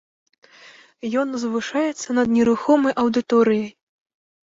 Ён узвышаецца над нерухомай аўдыторыяй.